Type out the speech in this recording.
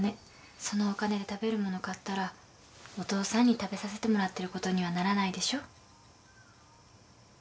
そのお金で食べるもの買ったらお父さんに食べさせてもらってることにはならないでしょ？